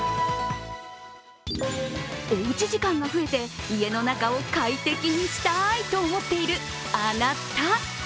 おうち時間が増えて家の中を快適にしたいと思っているあなた。